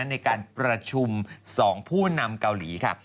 ในการประชุม๒ผู้นำเกาหลีค่ะ